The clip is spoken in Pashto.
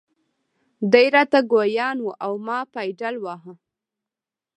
دی را ته ګویان و او ما پایډل واهه.